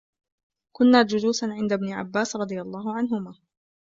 كُنَّا جُلُوسًا عِنْدَ ابْنِ عَبَّاسٍ رَضِيَ اللَّهُ عَنْهُمَا